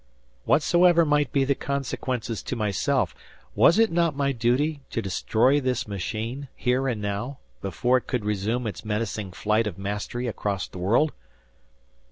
Whatsoever might be the consequences to myself, was it not my duty to destroy this machine, here and now, before it could resume its menacing flight of mastery across the world!